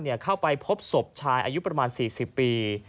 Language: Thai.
เข้าไปพบศพชายอายุประมาณ๔๐ปี